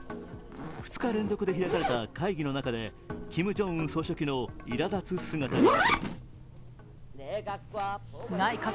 ２日連続で開かれた会議の中でキム・ジョンウン総書記のいらだつ姿が。